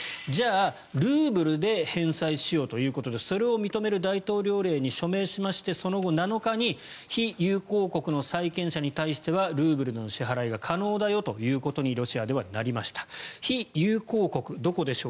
じゃあ、ルーブルで返済しようということでそれを認める大統領令に署名しまして、その後、７日に非友好国の債権者に対してはルーブルの支払いが可能だよということに